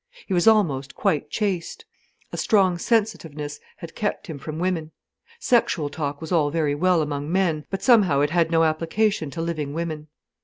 He was almost quite chaste. A strong sensitiveness had kept him from women. Sexual talk was all very well among men, but somehow it had no application to living women.